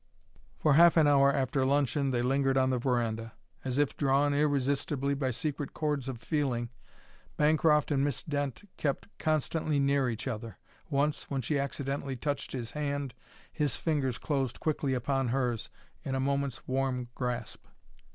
For half an hour after luncheon they lingered on the veranda. As if drawn irresistibly by secret cords of feeling, Bancroft and Miss Dent kept constantly near each other; once, when she accidentally touched his hand, his fingers closed quickly upon hers in a moment's warm grasp.